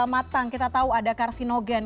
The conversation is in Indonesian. matang kita tahu ada karsinogen